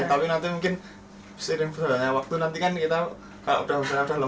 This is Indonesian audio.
tapi nanti mungkin sering berulangnya waktu nanti kan kita kalau udah lemes banget atau apa apa